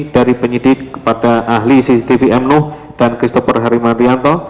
dari penyidik kepada ahli cctv mnu dan christopher harimantrianto